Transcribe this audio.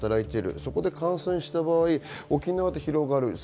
そこで感染した場合、沖縄で広がる。